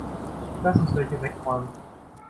Lass uns welche wegräumen.